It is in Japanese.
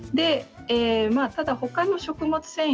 ただほかの食物繊維